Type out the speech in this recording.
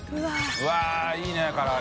うわいいね唐揚。